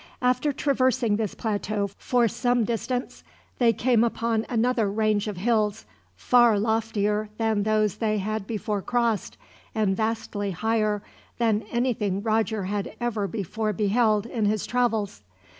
After traversing this plateau for some distance, they came upon another range of hills, far loftier than those they had before crossed, and vastly higher than anything Roger had ever before beheld in his travels.